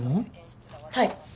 はい。